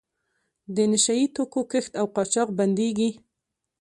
د نشه یي توکو کښت او قاچاق بندیږي.